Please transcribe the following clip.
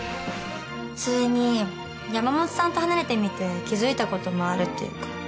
それに山本さんと離れてみて気付いたこともあるっていうか。